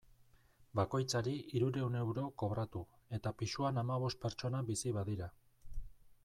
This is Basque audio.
Bakoitzari hirurehun euro kobratu, eta pisuan hamabost pertsona bizi badira.